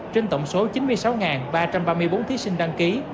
trên tổng số chín mươi sáu ba trăm ba mươi bốn thí sinh đăng ký